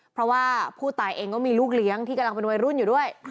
เพราะว่าผู้ตายเองก็มีลูกเลี้ยงที่กำลังเป็นวัยรุ่นอยู่ด้วย